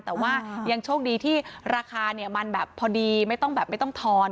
แต่ว่ายังโชคดีที่ราคาเนี่ยมันแบบพอดีไม่ต้องแบบไม่ต้องทอน